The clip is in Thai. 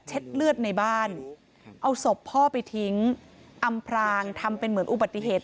เลือดในบ้านเอาศพพ่อไปทิ้งอำพรางทำเป็นเหมือนอุบัติเหตุ